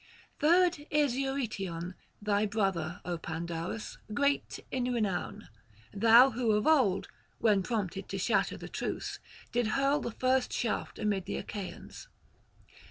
Third is Eurytion, thy brother, O Pandarus, great in renown, thou who of old, when prompted to shatter the truce, didst hurl the first shaft amid the Achaeans.